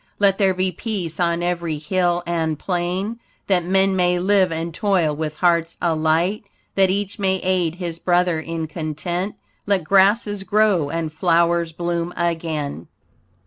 Let there be peace on every hill and plain, That men may live and toil with hearts alight, That each may aid his brother in content. Let grasses grow and flowers bloom again.